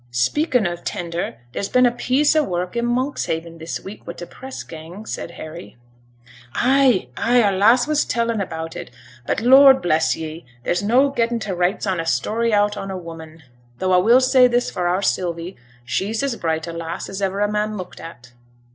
'Speaking of t' tender, there's been a piece o' wark i' Monkshaven this week wi' t' press gang,' said Harry. 'Ay! ay! our lass was telling about 't; but, Lord bless ye! there's no gettin' t' rights on a story out on a woman though a will say this for our Sylvie, she's as bright a lass as iver a man looked at.'